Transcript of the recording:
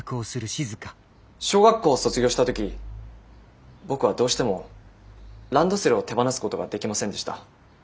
小学校を卒業した時僕はどうしてもランドセルを手放すことができませんでした。